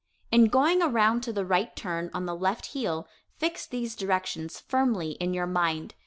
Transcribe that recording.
In going around to the right turn on the left heel. Fix these directions firmly in your mind.